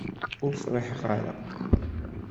Ur friḥeɣ ara.